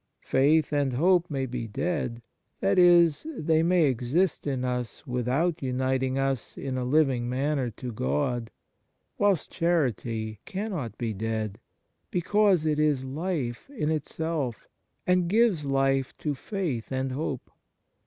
Faith and hope may be dead i.e., they may exist in us without uniting us in a living manner to God; whilst charity cannot be dead, because it is life in itself, and gives life to faith and hope.